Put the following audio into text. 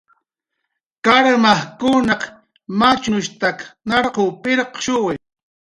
Karmajkunaq machnushtak narquw pirqshuwi